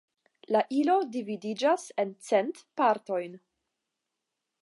La ilo dividiĝas en cent partojn.